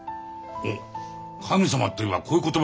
おっ神様っていえばこういう言葉もあるぞ。